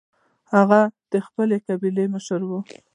هغه د خپلې قبیلې مشر و.